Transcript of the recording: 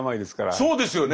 そうですよね。